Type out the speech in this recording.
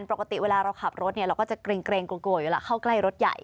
ปกติเวลาเราขับรถเราก็จะเกรงกลัวเวลาเข้าใกล้รถใหญ่